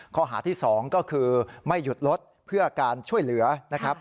ข้อหาที่๒ก็คือไม่หยุดรถเพื่อการช่วยเหลือนะครับ